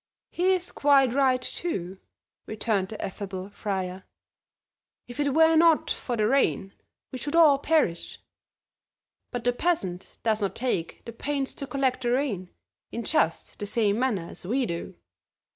"He is quite right, too," returned the affable friar. "If it were not for the rain we should all perish; but the peasant does not take the pains to collect the rain in just the same manner as we do."